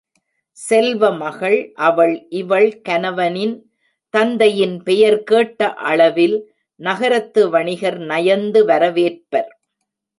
செல்வமகள் அவள் இவள் கனவனின் தந்தையின் பெயர் கேட்ட அளவில் நகரத்து வணிகர் நயந்து வர வேற்பர்.